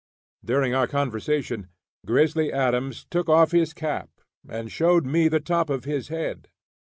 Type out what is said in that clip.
During our conversation, Grizzly Adams took off his cap, and showed me the top of his head.